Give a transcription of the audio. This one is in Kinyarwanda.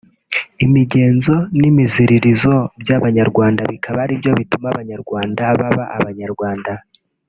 imigenzo n’imiziririzo by’Abanyarwanda bikaba aribyo bituma Abanyarwanda baba Abanyarwanda